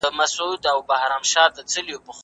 ستا روح به هیڅکله سکون ونه مومي.